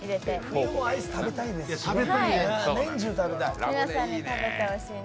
冬もアイス食べたい。